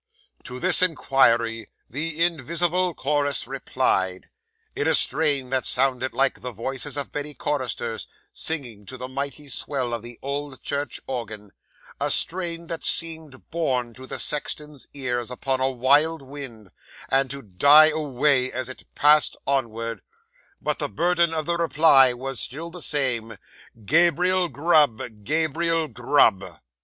'To this inquiry the invisible chorus replied, in a strain that sounded like the voices of many choristers singing to the mighty swell of the old church organ a strain that seemed borne to the sexton's ears upon a wild wind, and to die away as it passed onward; but the burden of the reply was still the same, "Gabriel Grub! Gabriel Grub!"